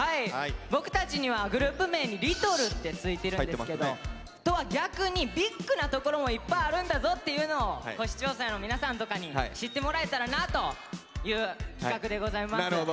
僕たちにはグループ名に「リトル」って付いてるんですけどとは逆にビッグなところもいっぱいあるんだぞっていうのを視聴者の皆さんとかに知ってもらえたらなという企画でございます。